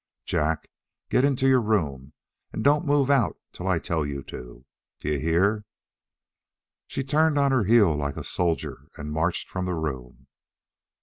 "Jack, get into your room and don't move out of it till I tell you to. D'you hear?" She turned on her heel like a soldier and marched from the room.